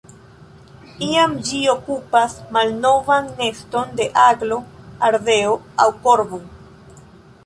Iam ĝi okupas malnovan neston de aglo, ardeo aŭ korvo.